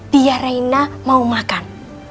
biar reina mau makan